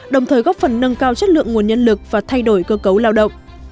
đồng thời góp phần nâng cao chất lượng nguồn nhân lực và thay đổi cơ cấu lao động